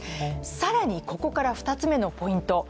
更に、ここから２つ目のポイント。